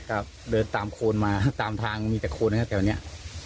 ก็เดินตามโคนมาตามทางมีแต่โคนนะครับแถวเนี้ย